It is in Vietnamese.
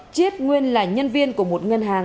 chiết nguyên là nhân viên của một bộ phòng